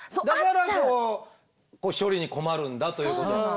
だからこう処理に困るんだということ。